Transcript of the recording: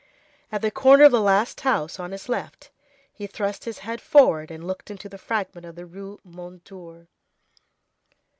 At the corner of the last house, on his left, he thrust his head forward, and looked into the fragment of the Rue Mondétour.